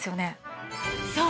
そう。